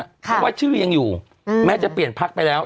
เพราะว่าชื่อยังอยู่แม้จะเปลี่ยนพักไปแล้ว